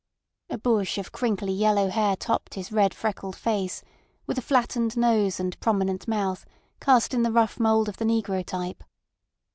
A bush of crinkly yellow hair topped his red, freckled face, with a flattened nose and prominent mouth cast in the rough mould of the negro type.